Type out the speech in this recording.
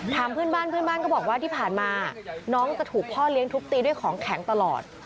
ถามเพื่อนบ้านเพื่อนบ้านก็บอกว่าที่ผ่านมาน้องจะถูกพ่อเลี้ยงทุบตีด้วยของแข็งตลอด